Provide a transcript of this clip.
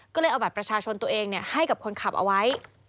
ก็เลยเอาบัตรประชาชนตัวเองให้กับคนขับเอาไว้